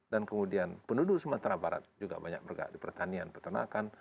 dan kemudian penduduk sumatera barat juga banyak bergak di pertanian pertanakan